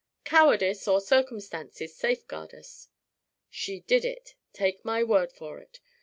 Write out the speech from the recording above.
Cowardice or circumstances safeguard us. She did it, take my word for it.